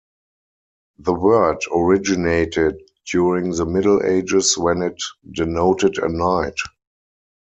The word originated during the Middle Ages when it denoted a knight.